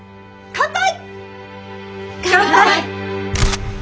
乾杯！